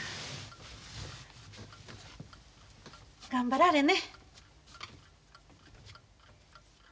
頑張られね。